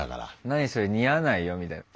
「何それ似合わないよ」みたいな。